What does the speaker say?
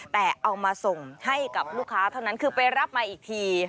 แต่เอามาส่งให้กับลูกค้าเท่านั้นคือไปรับมาอีกที